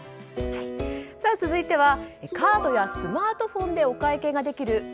続いてはカードやスマートフォンでお買い物ができる